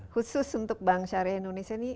khusus untuk bank syariah indonesia ini